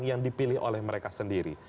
yang dipilih oleh mereka sendiri